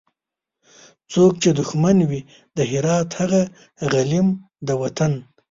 څوک چي دښمن وي د هرات هغه غلیم د وطن